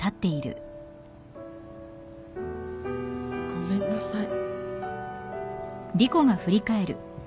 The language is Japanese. ごめんなさい。